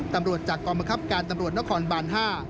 ตำรวจจากกรมักคับการตำรวจนกครบาทห้า